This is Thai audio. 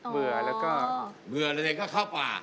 เบื่อแล้วก็เบื่อเลยก็เข้าป่า